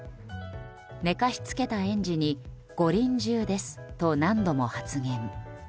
寝かしつけた園児にご臨終ですと何度も発言。